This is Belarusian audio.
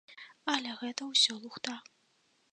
Але гэта ўсё лухта.